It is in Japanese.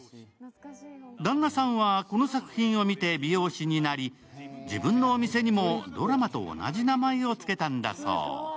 旦那さんは、この作品を見て美容師になり、自分のお店にもドラマと同じ名前を付けたんだそう。